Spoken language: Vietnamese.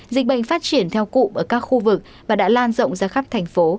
dịch bệnh phát triển theo cụm ở các khu vực và đã lan rộng ra khắp thành phố